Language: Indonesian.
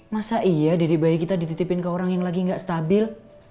masa iya didik bayi kita dititipin ke orang yang lagi nggak stabil